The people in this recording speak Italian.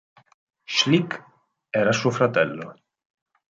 Schlick era suo fratello.